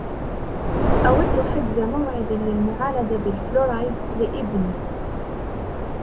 أود حجز موعد للمعالجة بالفلورايد لابني.